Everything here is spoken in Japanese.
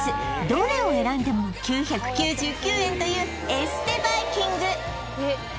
どれを選んでも９９９円というエステバイキング